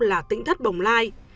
là tĩnh thất bồng lai